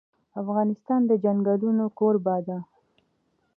افغانستان د چنګلونه کوربه دی.